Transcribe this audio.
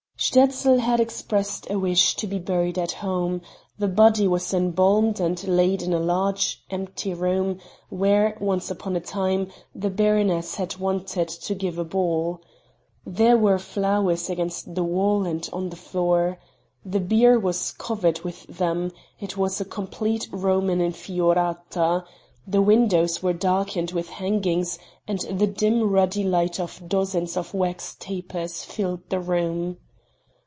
Sterzl had expressed a wish to be buried at home; the body was embalmed and laid in a large empty room, where, once upon a time, the baroness had wanted to give a ball. There were flowers against the wall, and on the floor. The bier was covered with them; it was a complete Roman Infiorata, The windows were darkened with hangings and the dim ruddy light of dozens of wax tapers filled the room.